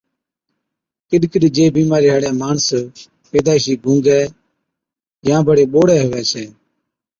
ڪِڏ ڪِڏ جي بِيمارِي هاڙَي ماڻس پيدائشِي گُونگَي يان بڙي ٻوڙَي هُوَي ڇَي